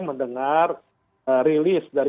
mendengar rilis dari